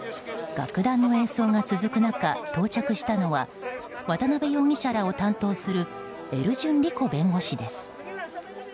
楽団の演奏が続く中到着したのは渡辺容疑者らを担当するエルジュン・リコ弁護士です。